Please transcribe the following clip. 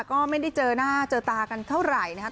ก็ไม่ได้เจอหน้าเจอตากันเท่าไหร่นะครับ